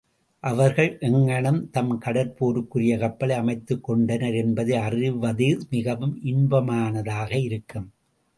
அவர்கள் எங்ஙனம் தம் கட்ற்போருக்குரிய கப்பலை அமைத்துக் கொண்டனர் என்பதை அறிவது மிகவும் இன்பமானதாக இருக்கும்.